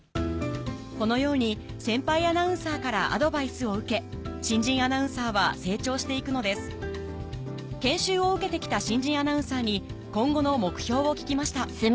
このように先輩アナウンサーからアドバイスを受け新人アナウンサーは成長していくのです研修を受けてきた新人アナウンサーに今後の目標を聞きました